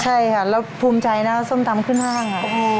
ใช่ค่ะแล้วภูมิใจนะส้มตำขึ้นห้าง